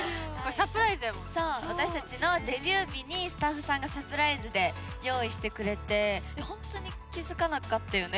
そう私たちのデビュー日にスタッフさんがサプライズで用意してくれて本当に気付かなかったよね